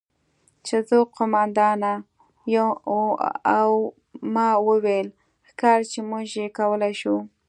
چې زه قوماندانه یم او ما وویل: 'ښکاري چې موږ یې کولی شو'.